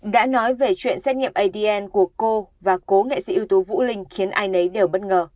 đã nói về chuyện xét nghiệm adn của cô và cố nghệ sĩ ưu tú vũ linh khiến ai nấy đều bất ngờ